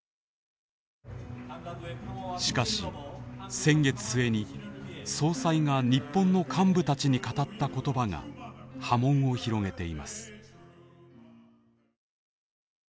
しかし、先月末に総裁が日本の幹部たちに語った言葉が波紋を広げています。